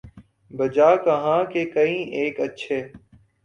'بجا کہا کہ کئی ایک اچھے